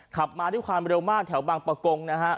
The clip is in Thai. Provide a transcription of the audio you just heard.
ขับมาด้วยความเร็วมากแถวบางประกงนะฮะ